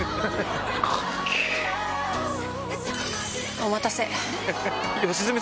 お待たせ。